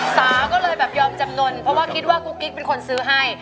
สาก็เลยแบบยอมจำนวนเพราะว่าคิดว่ากุ๊กกิ๊กเป็นคนซื้อให้